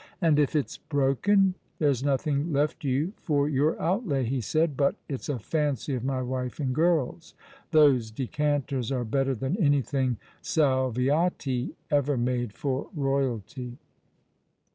"And if it's broken, there's nothing left you for your outlay," he said ;" but it's a fancy of my wife and girls. Those decanters are better than anything Salviati ever made for Eoyalty."